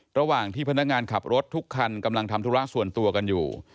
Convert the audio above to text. ระหว่างที่พนักงานขับรถทุกคันกำลังทำธุระส่วนตัวกันอยู่